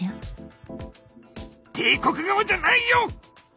帝国側じゃないよ！